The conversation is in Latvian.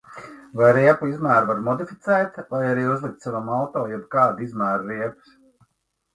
Vai riepu izmēru var modificēt vai arī uzlikt savam auto jebkāda izmēra riepas?